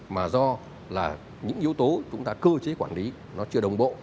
mà do là những yếu tố chúng ta cơ chế quản lý nó chưa đồng bộ